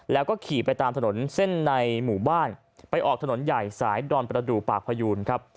แล้วก็ขี่ไปตามถนนเส้นในหมู่บ้านไปออกถนนใหญ่สายดอนประดูกปากพยูนครับ